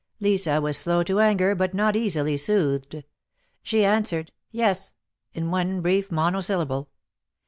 Lisa was slow to anger, but not easily soothed. She answered, "Yes," in one brief monosyllable.